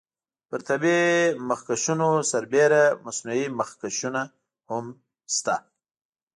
پر طبیعي مخکشونو سربیره مصنوعي مخکشونه هم شته.